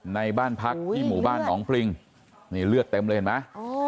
ในบ้านพักที่หมู่บ้านหนองปริงนี่เลือดเต็มเลยเห็นไหม